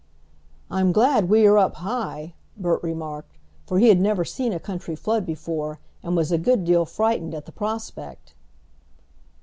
"I'm glad we are up high," Bert remarked, for he had never seen a country flood before, and was a good deal frightened at the prospect.